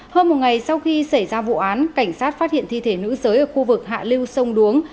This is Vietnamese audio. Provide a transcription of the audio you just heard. hơn một ngày sau khi xảy ra vụ án cảnh sát phát hiện thi thể nữ giới ở khu vực hạ lưu sông đuống